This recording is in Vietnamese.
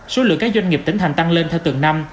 số lượng các doanh nghiệp tỉnh thành tăng lên theo từng năm